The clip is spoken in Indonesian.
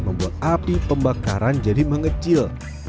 membuat api pembakaran jadi mengecil